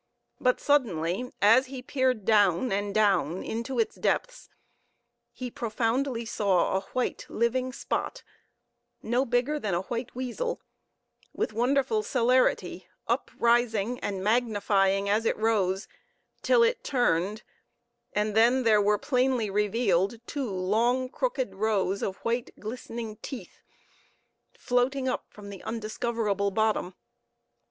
But suddenly as he peered down and down into its depths, he profoundly saw a white living spot no bigger than a white weasel, with wonderful celerity uprising, and magnifying as it rose, till it turned, and then there were plainly revealed two long crooked rows of white, glistening teeth, floating up the undiscoverable bottom.